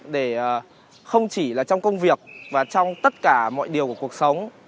để không chỉ là trong công việc và trong tất cả mọi điều của cuộc sống